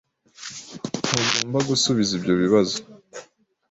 Ntugomba gusubiza ibyo bibazo.